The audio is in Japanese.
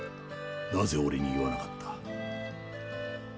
なぜ俺に言わなかった。